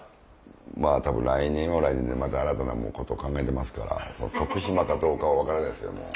まぁたぶん来年は来年でまた新たなことを考えてますから徳島かどうかは分からないですけども。